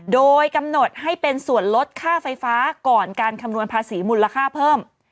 โดยกำหนดให้เป็นส่วนลดค่าไฟฟ้าก่อนการคำนวณภาษีมูลค่าเพิ่ม